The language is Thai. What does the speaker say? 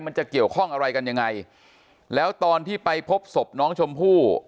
มันจะเกี่ยวข้องอะไรกันยังไงแล้วตอนที่ไปพบศพน้องชมพู่